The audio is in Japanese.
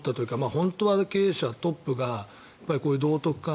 本当は経営者トップがこういう道徳観